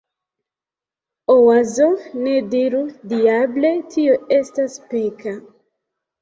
Oazo: "Ne diru "Diable!", tio estas peka!"